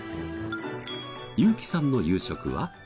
優基さんの夕食は？